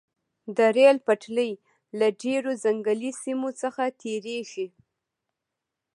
د ریل پټلۍ له ډیرو ځنګلي سیمو څخه تیریږي